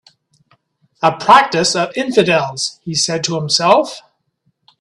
"A practice of infidels," he said to himself.